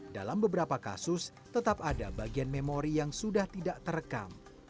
dalam beberapa kasus tetap ada bagian memori yang sudah tidak terekam